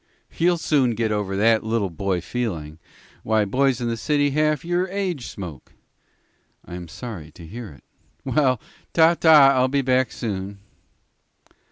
"You'll soon get over that little boy feeling. Why, boys in the city of half your age smoke." "I am sorry to hear it." "Well, ta ta! I'll be back soon."